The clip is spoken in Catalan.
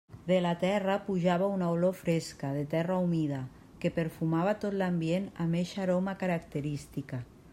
De la terra pujava una olor fresca, de terra humida, que perfumava tot l'ambient amb eixa aroma característica.